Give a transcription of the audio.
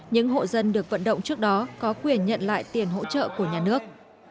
những hộ dân được vận động trước đó có quyền nhận lại tiền hỗ trợ của nhà nước